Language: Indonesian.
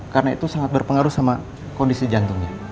karena itu sangat berpengaruh sama kondisi jantungnya